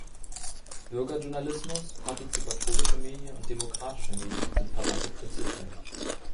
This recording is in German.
Bürgerjournalismus, partizipatorische Medien und demokratische Medien sind verwandte Prinzipien.